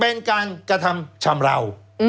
แล้วเขาก็ใช้วิธีการเหมือนกับในการ์ตูน